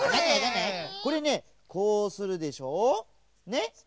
これねこうするでしょ。ね？